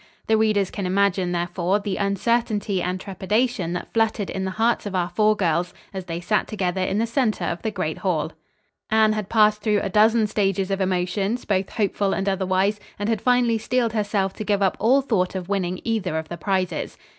The readers can imagine, therefore, the uncertainty and trepidation that fluttered in the hearts of our four girls as they sat together in the center of the great hall. Anne had passed through a dozen stages of emotions, both hopeful and otherwise, and had finally steeled herself to give up all thought of winning either of the prizes.